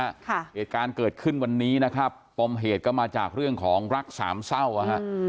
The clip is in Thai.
เหตุการณ์เกิดขึ้นวันนี้นะครับปมเหตุก็มาจากเรื่องของรักสามเศร้าอ่ะฮะอืม